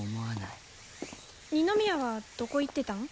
二宮はどこ行ってたん？